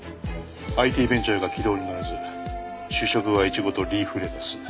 ＩＴベンチャーが軌道に乗らず主食はイチゴとリーフレタス。